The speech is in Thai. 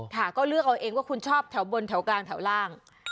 ค่ะก็เลือกเอาเองว่าคุณชอบแถวบนแถวกลางแถวล่าง